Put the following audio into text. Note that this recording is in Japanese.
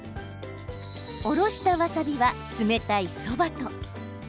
おろした、わさびは冷たいそばと。